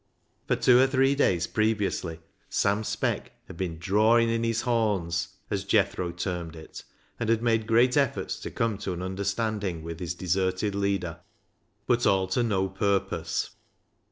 For two or three days previously Sam Speck had been " drawin' in his horns," as Jethro termed it, and had made great efforts to come to an understanding with his deserted leader, but all to no purpose.